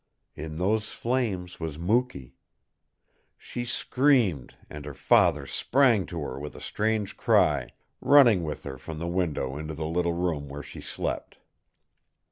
In those flames was Mukee! She screamed, and her father sprang to her with a strange cry, running with her from the window into the little room where she slept.